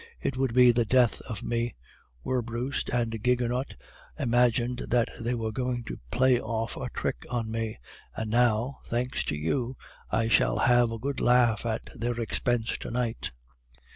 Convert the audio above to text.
It would be the death of me. Werbrust and Gigonnet imagined that they were going to play off a trick on me; and now, thanks to you, I shall have a good laugh at their expense to night.